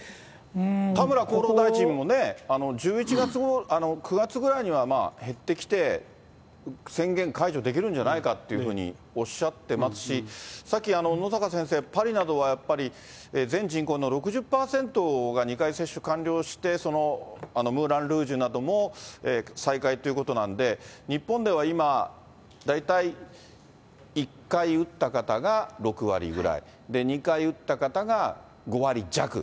田村厚労大臣もね、９月ぐらいには減ってきて、宣言解除できるんじゃないかというふうにおっしゃってますし、さっき、野阪先生、パリなどはやっぱり、全人口の６０％が２回接種完了して、ムーランルージュなども再開ということなんで、日本では今、大体１回打った方が６割ぐらい、２回打った方が５割弱。